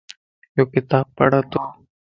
يو ڪتاب پڙتون